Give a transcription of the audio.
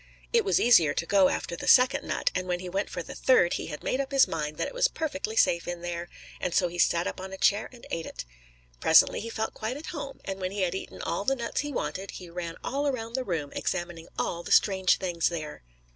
It was easier to go after the second nut, and when he went for the third, he had made up his mind that it was perfectly safe in there, and so he sat up on a chair and ate it. Presently he felt quite at home, and when he had eaten all the nuts he wanted, he ran all around the room, examining all the strange things there.